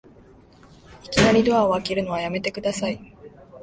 いきなりドア開けるのやめてください